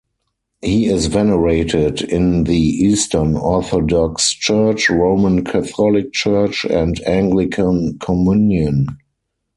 He is venerated in the Eastern Orthodox Church, Roman Catholic Church, and Anglican Communion.